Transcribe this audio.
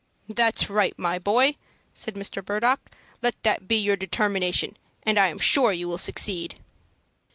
"That's right, my boy," said Mr. Murdock. "Let that be your determination, and I am sure you will succeed."